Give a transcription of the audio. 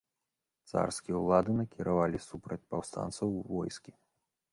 Царскія ўлады накіравалі супраць паўстанцаў войскі.